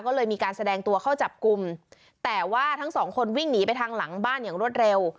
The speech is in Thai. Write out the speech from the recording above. ก็เลยมีการแสดงตัวเข้าจับกลุ่มแต่ว่าทั้งสองคนวิ่งหนีไปทางหลังบ้านอย่างรวดเร็ว